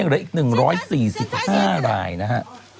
เหลืออีก๑๔๕รายนะฮะ